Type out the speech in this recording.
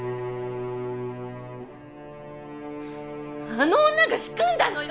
あの女が仕組んだのよ！